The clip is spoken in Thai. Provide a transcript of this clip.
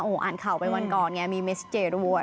อ่านข่าวไปวันก่อนไงมีเมสเจรัวร์